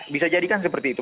bisa jadi kan seperti itu